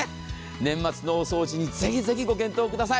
年末の大掃除にぜひぜひご検討ください。